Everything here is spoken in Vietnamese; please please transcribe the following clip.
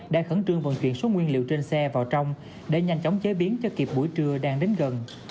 đang khẩn trương vận chuyển số nguyên liệu trên xe vào trong để nhanh chóng chế biến cho kịp buổi trưa đang đến gần